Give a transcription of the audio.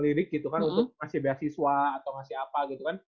lirik gitu kan untuk ngasih beasiswa atau ngasih apa gitu kan